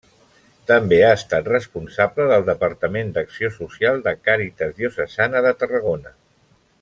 També ha estat responsable del departament d'acció social de Càritas diocesana de Tarragona.